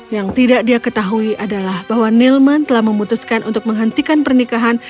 yang tidak dia ketahui adalah bahwa nilman telah memutuskan untuk menghentikan pernikahan